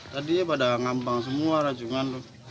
tadinya pada ngambang semua rajungan